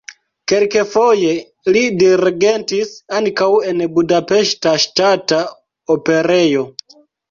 Kelkfoje li dirigentis ankaŭ en Budapeŝta Ŝtata Operejo.